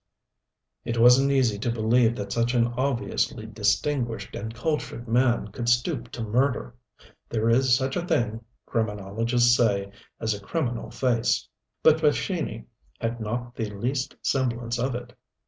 It wasn't easy to believe that such an obviously distinguished and cultured man could stoop to murder. There is such a thing, criminologists say, as a criminal face; but Pescini had not the least semblance of it.